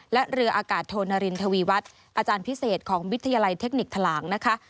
และเรืออากาศโทนารินทวีวัฒน์อาจารย์พิเศษของวิทยาลัยเทคนิคทะลางนะคะ